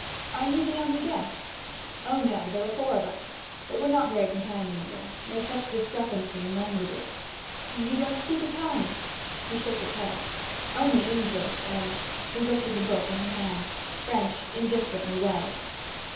'Are you the only guest?' 'Oh, no, there are four of us, but we're not very companionable; there's such a discrepancy in languages.' 'And you don't speak Italian?' He shook his head. 'Only English and' he glanced at the book in her hand 'French indifferently well.'